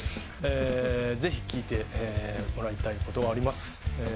ぜひ聞いてもらいたいことがあります。